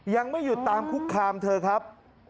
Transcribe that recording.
ยังไม่หยุดตามคุกคามเธอครับ